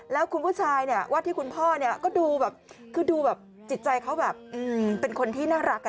แล้วคุณผู้ชายวาดที่คุณพ่อก็ดูจิตใจเขาเป็นคนที่น่ารัก